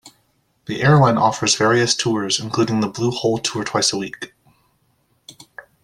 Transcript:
The airline offers various tours, including the Blue Hole tour twice a week.